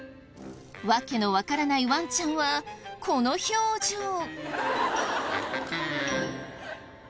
訳のわからないワンちゃんはこの表情。